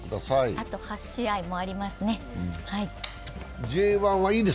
あと８試合もありますね。